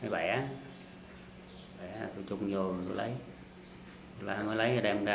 bẻ bẻ tôi chụp vô rồi lấy lấy rồi đem ra